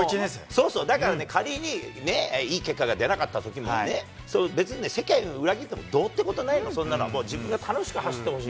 そうそう、だからね、仮に、ねっ、いい結果が出なかったときもね、別にね、世間を裏切っても、どうってことないの、そんなのは、もう自分が楽しく走ってほしい。